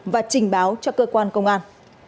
và trình báo cho cơ quan công an